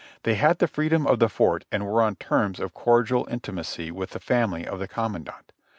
They had the freedom of the Fort and were on terms of cordial intimacy with the family of the commandant.